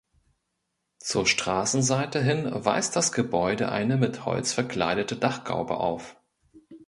Zur Straßenseite hin weist das Gebäude eine mit Holz verkleidete Dachgaube auf.